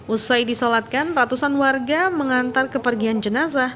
usai disolatkan ratusan warga mengantar kepergian jenazah